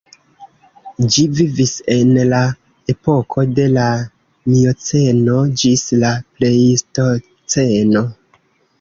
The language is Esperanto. Ĝi vivis en la epoko de la Mioceno ĝis la Plejstoceno.